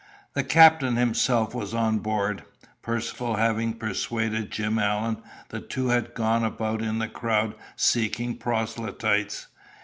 The captain himself was on board. Percivale having persuaded Jim Allen, the two had gone about in the crowd seeking proselytes.